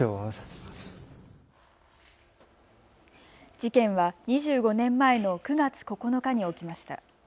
事件は２５年前の９月９日に起きました。